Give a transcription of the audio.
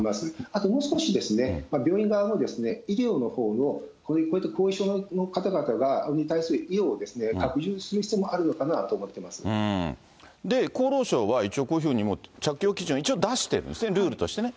あともう少し、病院側も医療のほうの、後遺症の方々に対する医療を拡充する必要もあるのかなと思ってお厚労省は一応、こういうふうに着用基準を一応出しているんですね、ルールとしてね。